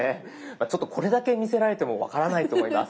ちょっとこれだけ見せられても分からないと思います。